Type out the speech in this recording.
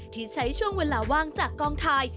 ที่ใช้ช่วงเวลาว่างจากกองถ่าย